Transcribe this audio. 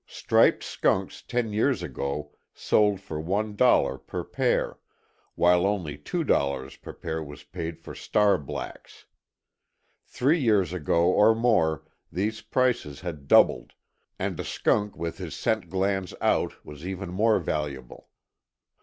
Striped skunks ten years ago sold for one dollar per pair, while only two dollars per pair was paid for ŌĆ£star blacksŌĆØ. Three years ago or more these prices had doubled, and a skunk with his scent glands out was even more valuable.